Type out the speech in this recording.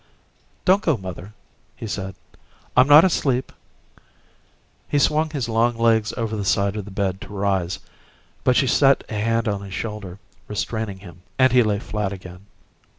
"Don't go, mother," he said. "I'm not asleep." He swung his long legs over the side of the bed to rise, but she set a hand on his shoulder, restraining him; and he lay flat again.